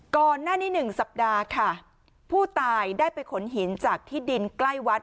ก่อนหน้านี้๑สัปดาห์ค่ะผู้ตายได้ไปขนหินจากที่ดินใกล้วัด